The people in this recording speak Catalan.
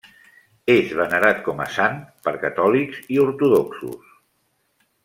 És venerat com a sant per catòlics i ortodoxos.